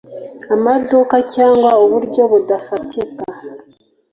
amaduka cyangwa uburyo budafatika